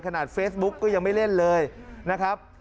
เฟซบุ๊กก็ยังไม่เล่นเลยนะครับ